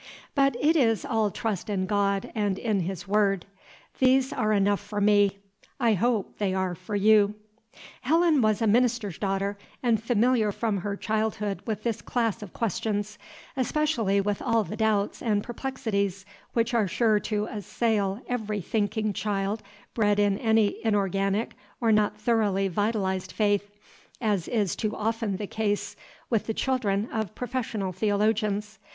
But it is all trust in God and in his Word. These are enough for me; I hope they are for you." Helen was a minister's daughter, and familiar from her childhood with this class of questions, especially with all the doubts and perplexities which are sure to assail every thinking child bred in any inorganic or not thoroughly vitalized faith, as is too often the case with the children of professional theologians.